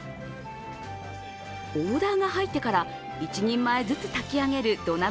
オーダーが入ってから一人前ずつ炊き上げる土鍋